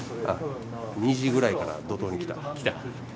２時ぐらいから怒とうに来た。来た？